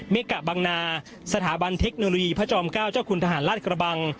เมกะบังนาสถาบันเทคโนโลยีพระจอม๙เจ้าคุณทหารราชกระบัง